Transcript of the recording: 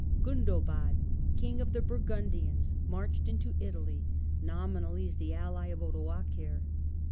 Gundobad, King of the Bur gundians, marched into Italy, nominally as the ally of Odoacer.